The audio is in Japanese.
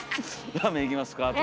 「ラーメン行きますか？」とか。